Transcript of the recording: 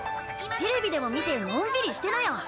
テレビでも見てのんびりしてなよ。